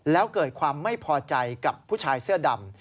แล้วเกิดความไม่พอใจกับผู้ชายเสื้อดำ